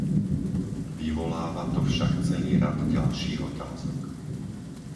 Vyvoláva to však celý rad ďalších otázok.